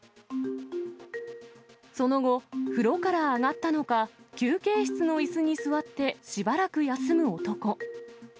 その後、風呂から上がったのか、休憩室のいすに座ってしばらく休む男。